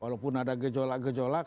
walaupun ada gejolak gejolak